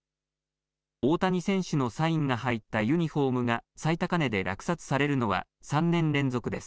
大谷選手のサインが入ったユニホームが最高値で落札されるのは３年連続です。